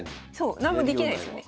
なんもできないですよね。